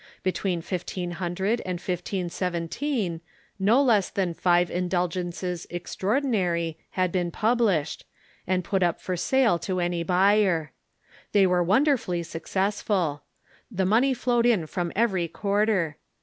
Between 1500 and 1517 no less than five indulgences extraor dinary had been published, and put up for sale to any bu^^er. They were wonderfully successful. The money flowed in from every quarter.